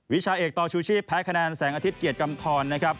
วิชาเอกต่อชูชีพแพ้คะแนนแสงอาทิตยเกียรติกำทรนะครับ